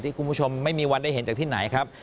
คุณผู้ชมไม่มีวันได้เห็นจากที่ไหนครับ